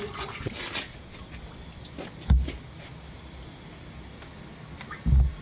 พร้อมทุกสิทธิ์